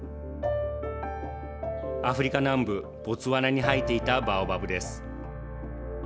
アフリカ南部、ボツワナに生えていたバオバブです。